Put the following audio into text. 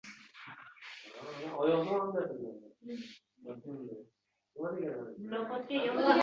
Birgina kalom bilan er-xotin o‘rtasida nikoh aqdi tuziladi yoki oila buziladi.